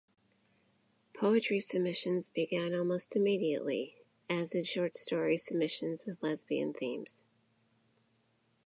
Poetry submissions began almost immediately, as did short story submissions with lesbian themes.